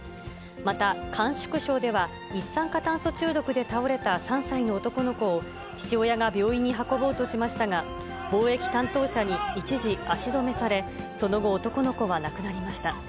また甘粛省では、一酸化炭素中毒で倒れた３歳の男の子を、父親が病院に運ぼうとしましたが、防疫担当者に一時足止めされ、その後、男の子は亡くなりました。